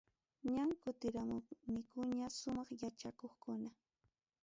Ñam kutiramunikuña sumaq yachakuqkuna.